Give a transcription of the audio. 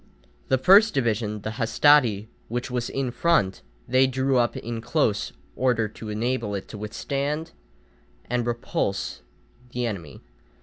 The first division, the hastati, which was in front, they drew up in close order to enable it to withstand and repulse the enemy.